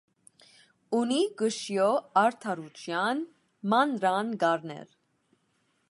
Ունի կշիո արդարութեան մանրանկարներ։